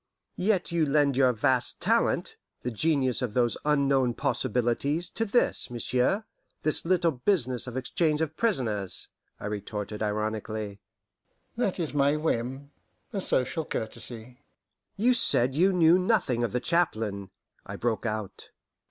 "Yet you lend your vast talent, the genius of those unknown possibilities, to this, monsieur this little business of exchange of prisoners," I retorted ironically. "That is my whim a social courtesy." "You said you knew nothing of the chaplain," I broke out.